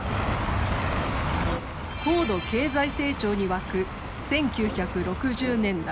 高度経済成長に沸く１９６０年代。